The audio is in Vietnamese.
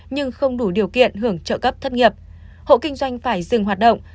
nhưng không đủ điều kiện hưởng trợ cấp thất nghiệp hộ kinh doanh phải dừng hoạt động